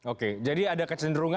oke jadi ada kesendiriannya